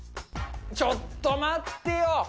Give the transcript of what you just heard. ちょっと待ってよ。